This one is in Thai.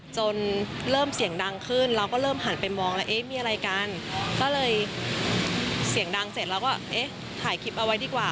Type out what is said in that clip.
จนเริ่มเสียงดังขึ้นเราก็เริ่มหันไปมองแล้วเอ๊ะมีอะไรกันก็เลยเสียงดังเสร็จเราก็เอ๊ะถ่ายคลิปเอาไว้ดีกว่า